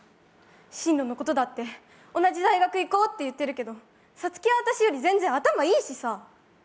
進路のことだって同じ大学行こうって言ってるけど、サツキは私より全然頭いいしさ。